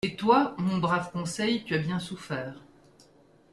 Et toi, mon brave Conseil, tu as bien souffert.